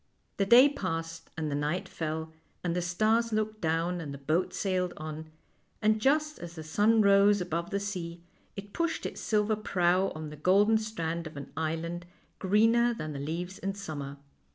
The day passed and the night fell, and the stars looked down, and the boat sailed on, and just as the sun rose above the sea it pushed its silver prow on the golden strand of an island greener than the leaves in summer.